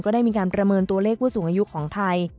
ได้มีการประเมินตัวเลขผู้สูงอายุของไทย